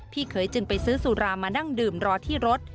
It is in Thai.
เคยจึงไปซื้อสุรามานั่งดื่มรอที่รถ